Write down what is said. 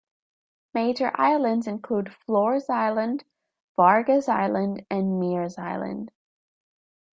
Major islands include Flores Island, Vargas Island, and Meares Island.